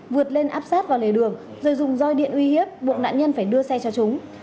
vượt lên áp sát vào lề đường rồi dùng roi điện uy hiếp buộc nạn nhân phải đưa xe cho chúng